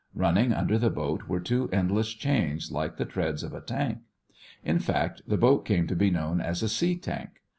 Running under the boat were two endless chains, like the treads of a tank. In fact, the boat came to be known as a "sea tank."